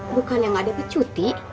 bukannya gak ada pecuti